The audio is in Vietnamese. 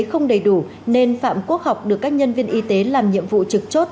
không đầy đủ nên phạm quốc học được các nhân viên y tế làm nhiệm vụ trực chốt